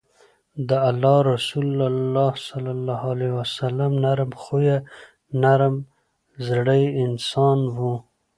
د الله رسول صلی الله عليه وسلّم نرم خويه، نرم زړی انسان وو